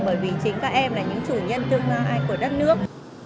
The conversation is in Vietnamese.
bởi vì chính các em là những chủ nhân tương lai của đất nước